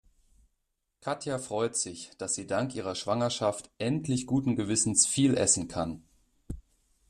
Katja freut sich, dass sie dank ihrer Schwangerschaft endlich guten Gewissens viel essen kann.